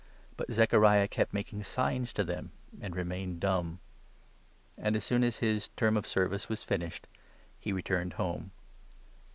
But Zechariah kept making signs to them, and remained dumb. And, as soon as his term 23 of service was finished, he returned home.